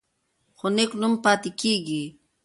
خو نېک نوم پاتې کیږي.